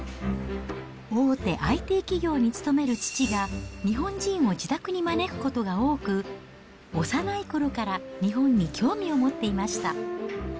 大手ＩＴ企業に勤める父が日本人を自宅に招くことが多く、幼いころから日本に興味を持っていました。